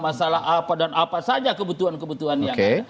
masalah apa dan apa saja kebutuhan kebutuhan yang ada